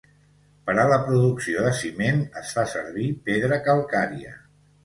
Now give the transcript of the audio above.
Per a la producció de ciment es fa servir pedra calcària.